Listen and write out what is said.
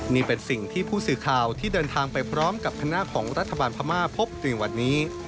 นี่เป็นสิ่งที่ผู้สื่อข่าวที่เดินทางไปพร้อมกับคณะของรัฐบาลพม่าพบในวันนี้